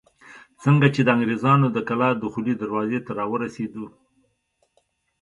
څنګه چې د انګرېزانو د کلا دخولي دروازې ته راورسېدو.